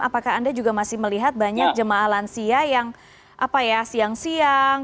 apakah anda juga masih melihat banyak jemaah lansia yang siang siang